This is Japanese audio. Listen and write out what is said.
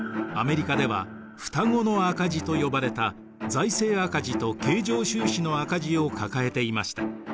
アメリカでは双子の赤字と呼ばれた財政赤字と経常収支の赤字を抱えていました。